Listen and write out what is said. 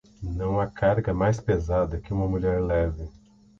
Não há carga mais pesada que uma mulher leve.